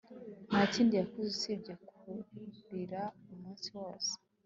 nta kindi yakoze usibye kurira umunsi wose